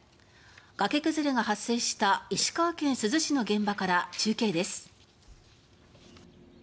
崖崩れが発生した石川県珠洲市の現場から中継です。